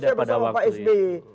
saya bersama pak s b